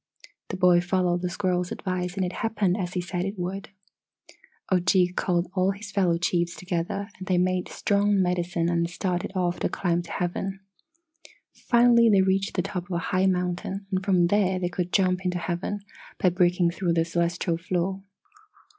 "The boy followed the squirrel's advice and it happened as he said it would. "Ojeeg called all his fellow chiefs together and they made strong medicine and started off to climb to Heaven. "Finally they reached the top of a high mountain and from there they could jump into heaven, by breaking through the celestial floor.